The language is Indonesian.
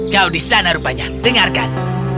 kau di sana rupanya dengarkan